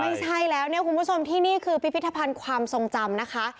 ไม่ใช่แล้วเนี่ยคุณผู้ชมที่นี่คือพิพิธภัณฑ์ความทรงจำนะคะ